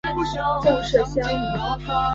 贡麝香。